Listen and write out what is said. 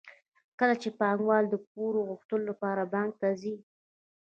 کله چې پانګوال د پور غوښتلو لپاره بانک ته ځي